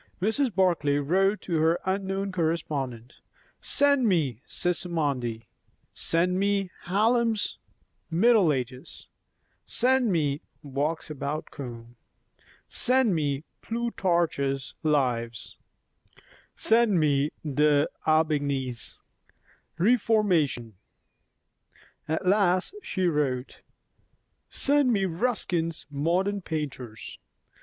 Mrs. Barclay wrote to her unknown correspondent, "Send me 'Sismondi';" "send me Hallam's 'Middle Ages';" "send me 'Walks about Kome';" "send me 'Plutarch's Lives';" "send me D'Aubigné's 'Réformation';" at last she wrote, "Send me Ruskin's 'Modern Painters'."